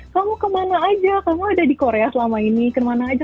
kamu kemana aja kamu ada di korea selama ini kemana aja